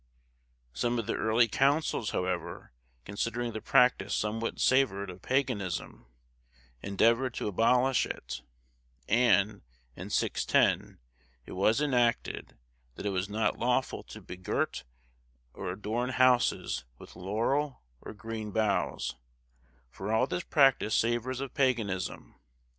Some of the early Councils, however, considering the practice somewhat savoured of paganism, endeavoured to abolish it; and, in 610, it was enacted, that it was not lawful to begirt or adorn houses with laurel, or green boughs, for all this practice savours of paganism.